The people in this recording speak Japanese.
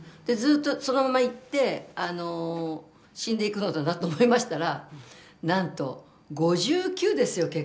ずっとそのままいってあの死んでいくのだなと思いましたらなんと５９ですよ